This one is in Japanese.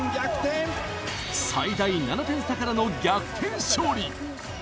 最大７点差からの逆転勝利！